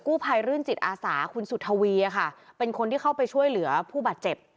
ภัยรื่นจิตอาสาคุณสุธวีค่ะเป็นคนที่เข้าไปช่วยเหลือผู้บาดเจ็บ